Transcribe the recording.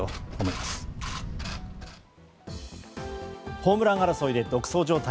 ホームラン争いで独走状態。